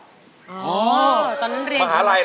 อ๋อตอนนั้นเรียนของมาฮัล่ายแล้ว